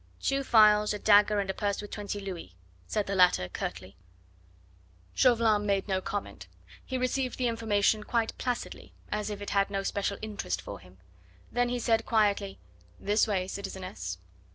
"Two files, a dagger and a purse with twenty louis," said the latter curtly. Chauvelin made no comment. He received the information quite placidly, as if it had no special interest for him. Then he said quietly: "This way, citizeness!"